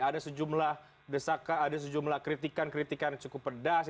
ada sejumlah desakan ada sejumlah kritikan kritikan cukup pedas